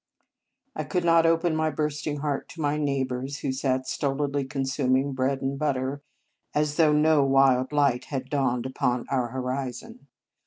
I could not open my bursting heart to my neighbours, who sat stolidly consuming bread and butter as though no wild light had dawned upon our horizon.